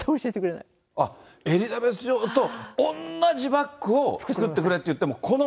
あっ、エリザベス女王と同じバッグを作ってくれって言っても、この。